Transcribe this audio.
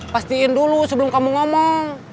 pastiin dulu sebelum kamu ngomong